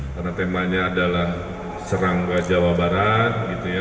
karena temanya adalah serangga jawa barat